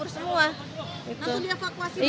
semua langsung dievakuasi